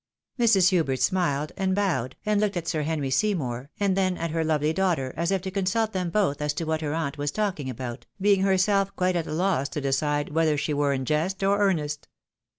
Mrs. Hubert smiled, and bowed, and looked at Sir Henry Seymour, and then at her lovely daughter, as if to consult them both as to what her aunt was talking about, being herself quite at a loss to decide whether she were in jest or earnest.